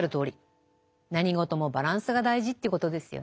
何事もバランスが大事ということですよね。